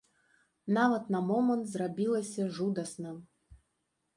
Нават на момант зрабілася жудасна.